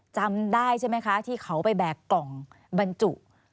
จำได้ใช่ไหมคะที่เขาไปแบกกล่องบรรจุ